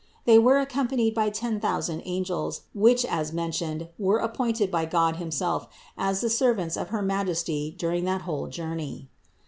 They were accompanied by the ten thousand angels, which as mentioned (No. 450), were appointed by God himself as the servants of her Majesty during that whole journey.